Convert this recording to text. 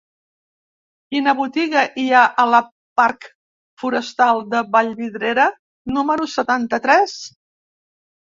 Quina botiga hi ha a la parc Forestal de Vallvidrera número setanta-tres?